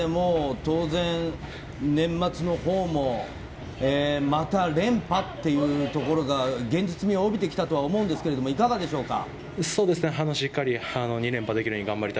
年末のほうも、また連覇っていうところが現実味を帯びてきたと思うんですけど、いかがでしょうか。